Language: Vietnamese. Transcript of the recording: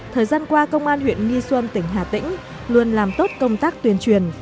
thời gian qua công an huyện nghi xuân tỉnh hà tĩnh luôn làm tốt công tác tuyên truyền